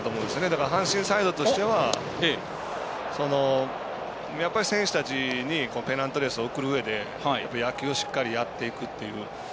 だから、阪神サイドとしてはやっぱり選手たちにペナントレースを送るうえで野球をしっかりやっていくという。